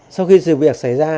sau khi sự việc xảy ra